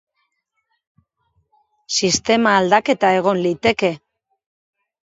Sistema aldaketa egon liteke.